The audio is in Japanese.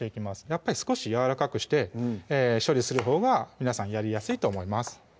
やっぱり少しやわらかくして処理するほうが皆さんやりやすいと思います